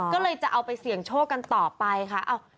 ก็เลยจะเอาไปเสี่ยงโชคกันต่อไปค่ะ